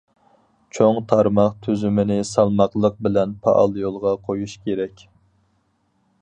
چوڭ تارماق تۈزۈمىنى سالماقلىق بىلەن پائال يولغا قويۇش كېرەك.